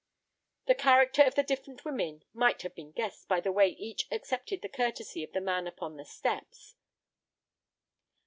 The character of the different women might have been guessed by the way each accepted the curtesy of the man upon the steps.